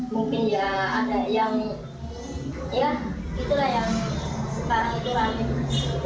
mungkin ya ada yang ya itulah yang sekarang itu lah gitu